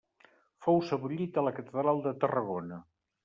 Fou sebollit a la Catedral de Tarragona.